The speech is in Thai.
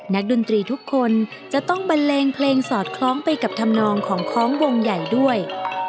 ดนตรีทุกคนจะต้องบันเลงเพลงสอดคล้องไปกับธรรมนองของคล้องวงใหญ่ด้วย